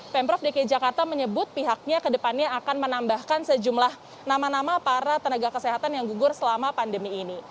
pemprov dki jakarta menyebut pihaknya kedepannya akan menambahkan sejumlah nama nama para tenaga kesehatan yang gugur selama pandemi ini